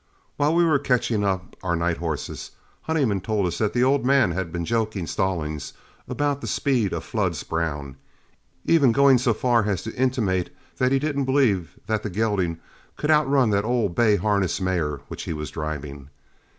While we were catching up our night horses, Honeyman told us that the old man had been joking Stallings about the speed of Flood's brown, even going so far as to intimate that he didn't believe that the gelding could outrun that old bay harness mare which he was driving.